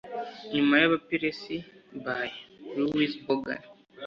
"nyuma y'abaperesi" by louise bogan